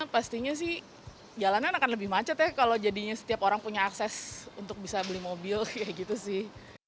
pastinya sih jalanan akan lebih macet ya kalau jadinya setiap orang punya akses untuk bisa beli mobil kayak gitu sih